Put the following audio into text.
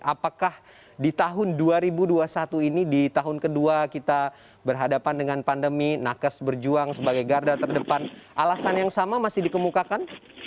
apakah di tahun dua ribu dua puluh satu ini di tahun kedua kita berhadapan dengan pandemi nakes berjuang sebagai garda terdepan alasan yang sama masih dikemukakan